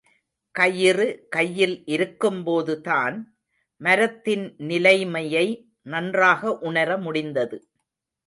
கயிறு கையில் இருக்கும்போதுதான் மரத்தின் நிலைமையை நன்றாக உணர முடிந்தது.